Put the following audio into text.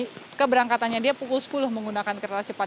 keberangkatannya dia pukul sepuluh menggunakan kereta cepat